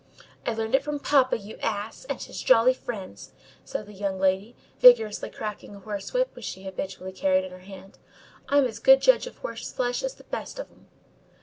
"I learned it from papa, you ass! and his jolly friends," said the young lady, vigorously cracking a hunting whip, which she habitually carried in her hand. "I'm as good judge of horseflesh as the best of 'm."